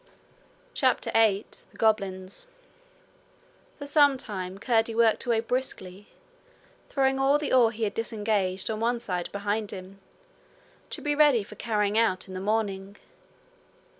CHAPTER 8 The Goblins For some time Curdie worked away briskly, throwing all the ore he had disengaged on one side behind him, to be ready for carrying out in the morning.